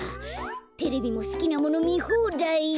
テレビもすきなものみほうだい。